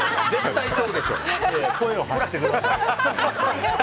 声を張ってください。